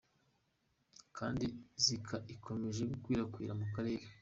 Kandi Zika ikomeje gukwirakwira mu karere.